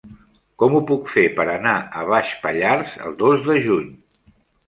Com ho puc fer per anar a Baix Pallars el dos de juny?